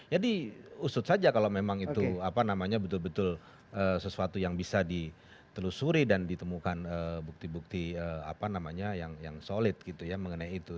jadi usut saja kalau memang itu apa namanya betul betul sesuatu yang bisa ditelusuri dan ditemukan bukti bukti apa namanya yang solid gitu ya mengenai itu